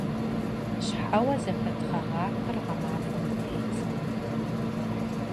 Щхьэуэ зэхэт гъэгъахэр гъэмахуэм къыпедзэ.